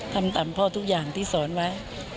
ทำตามพ่อทุกอย่างที่สอนไว้